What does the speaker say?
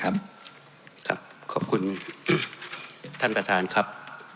ขอบคุณท่านประธานครับ